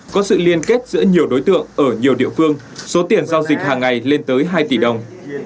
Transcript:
có sự liên kết giữa nhiều đối tượng ở nhiều địa phương số tiền giao dịch hàng ngày lên tới hai tỷ đồng